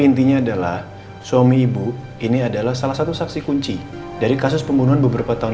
intinya adalah suami ibu ini adalah salah satu saksi kunci dari kasus pembunuhan beberapa tahun